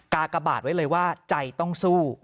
กากบาทไว้เลยว่าใจต้องสู้